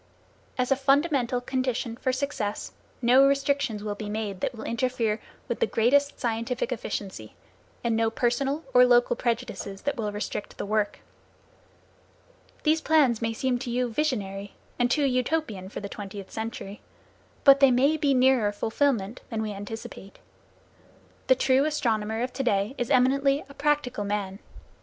As a fundamental condition for success, no restrictions will be made that will interfere with the greatest scientific efficiency, and no personal or local prejudices that will restrict the work. These plans may seem to you visionary, and too Utopian for the twentieth century. But they may be nearer fulfilment than we anticipate. The true astronomer of to day is eminently a practical man.